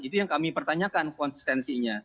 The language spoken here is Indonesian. itu yang kami pertanyakan konsistensinya